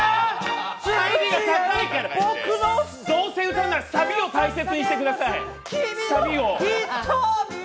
言葉は要らないサビを大切にしてください。